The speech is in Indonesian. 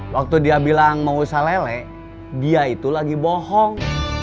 waktu dia bilang mau usaha lele dia itu lagi bohong